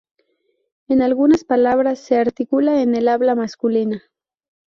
En algunas palabras se articula en el habla masculina.